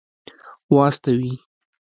واستوي.